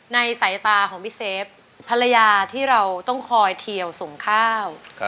ในสายตาของพี่เซฟภรรยาที่เราต้องคอยเทียวส่งข้าว